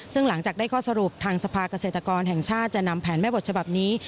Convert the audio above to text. ซึ่งหลังจากได้ข้อสรุปทางสภาเกษตรกรแห่งชาติจะนำแผนแม่บทฉบับนี้